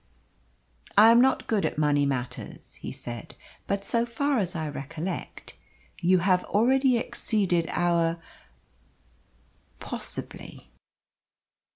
"I am not good at money matters," he said. "But, so far as I recollect, you have already exceeded our " "Possibly."